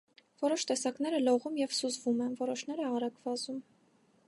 Որոշ տեսակներ լողում և սուզվում են, որոշները՝ արագ վազում։